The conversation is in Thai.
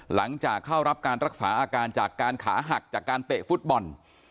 หลังจากเข้ารับการรักษาอาการจากการขาหักจากการเตะฟุตบอล